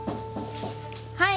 はい。